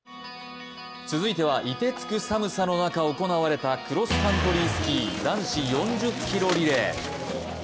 続いては凍てつく寒さの中行われたクロスカントリースキー男子４０ｋｍリレー。